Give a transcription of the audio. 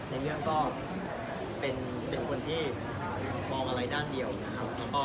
ผมเลือกกว่าก่อนค่ะในเรื่องก็เป็นคนที่มองอะไรด้านเดียวนะครับ